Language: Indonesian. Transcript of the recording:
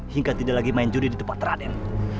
hingga tidak lagi main judi di tempat teradil